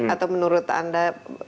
atau menurut anda